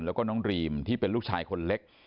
แล้วก็น้องรีมที่เป็นลูกชายคนเล็ก